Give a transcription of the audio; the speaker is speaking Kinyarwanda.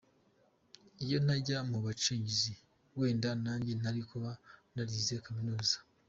Iyo ntajya mu bacengezi wenda nanjye nari kuba narize nkaminuza.